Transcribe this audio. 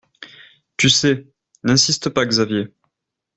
Tu sais. N’insiste pas, Xavier.